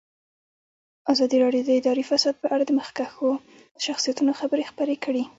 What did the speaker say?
ازادي راډیو د اداري فساد په اړه د مخکښو شخصیتونو خبرې خپرې کړي.